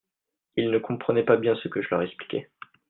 ils ne comprenaient pas bien ce que je leur expliquais.